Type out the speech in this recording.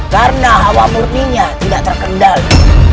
karena hawa murninya tidak terkendali